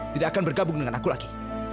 tidak akan bergabung dengan aku lagi